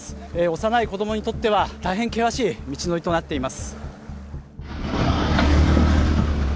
幼い子供にとっては大変厳しい道のりとなっています。